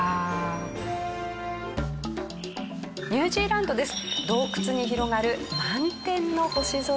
ニュージーランドです。